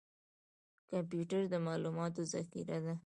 کمپیوټر د معلوماتو ذخیره ده